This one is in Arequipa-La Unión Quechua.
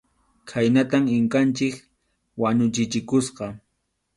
Khaynatam Inkanchik wañuchichikusqa.